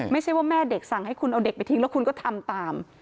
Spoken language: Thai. ไม่ใช่ว่าแม่เด็กสั่งให้คุณเอาเด็กไปทิ้งแล้วคุณก็ทำตาม